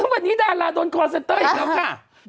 วันนี้ดาราโดนคอร์เซนเตอร์อีกแล้วค่ะ